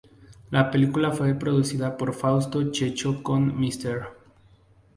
La película fue producida por Fausto Checho con Mr.